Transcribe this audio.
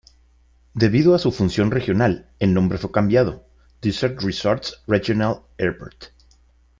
Debido a su función regional, el nombre fue cambiado Desert Resorts Regional Airport.